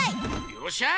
よっしゃ！